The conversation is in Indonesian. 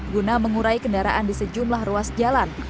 guna mengurai kendaraan di sejumlah ruas jalan